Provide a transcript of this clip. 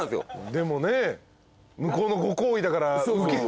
でもね向こうのご厚意だから受けないとね。